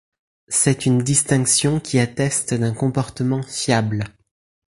C'est une distinction qui atteste d'un comportement fiable.